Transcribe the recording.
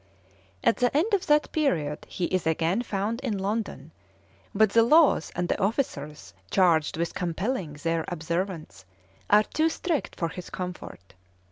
At the end of that period he is again found in London, but the laws and the officers charged with compelling their observance are too strict for his comfort.